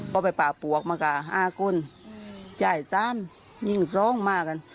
โค้งไปป่าปลวกมาค่ะ๕กุลจ่ายสามนิ่งสองมากัน